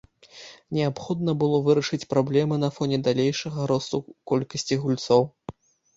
Неабходна было вырашыць праблемы на фоне далейшага росту колькасці гульцоў.